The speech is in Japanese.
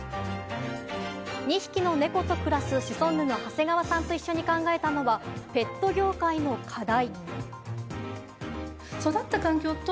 ２匹の猫と暮らすシソンヌの長谷川さんと一緒に考えたのはペット業界の課題。